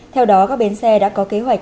theo đó các bến xe đã có kế hoạch